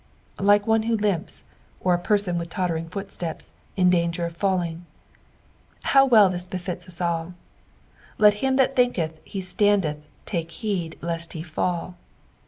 Like one who limps, or B person with tottering footsteps, in dsnger of falling. How well this befits us all. " Let bin that thinketh he standeth, take heed lest he fall."